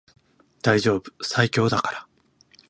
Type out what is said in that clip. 大丈夫最強だから